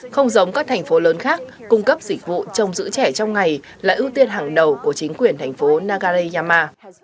không giống các thành phố lớn khác cung cấp dịch vụ trông giữ trẻ trong ngày là ưu tiên hàng đầu của chính quyền thành phố nagareyama